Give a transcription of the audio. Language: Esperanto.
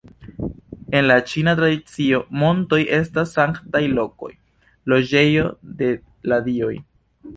En la ĉina tradicio, montoj estas sanktaj lokoj, loĝejoj de la dioj.